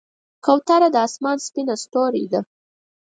کوتره د آسمان سپینه ستورۍ ده.